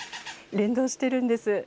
連動しているんです。